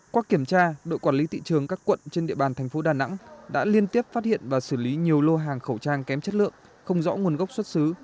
qua kiểm tra đội quản lý thị trường các quận trên địa bàn thành phố đà nẵng đã liên tiếp phát hiện và xử lý nhiều lô hàng khẩu trang kém chất lượng không rõ nguồn gốc xuất xứ